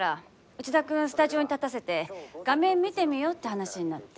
内田君スタジオに立たせて画面見てみようって話になって。